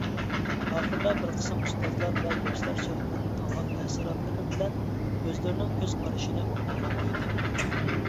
ئاخىردا بىر قىسىم ئۇستازلار ۋە ياشلار سۆھبەتتىن ئالغان تەسىراتلىرى بىلەن ئۆزلىرىنىڭ كۆز قارىشىنى ئوتتۇرىغا قويدى.